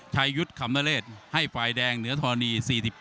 ยุทธ์ขำนเรศให้ฝ่ายแดงเหนือธรณี๔๘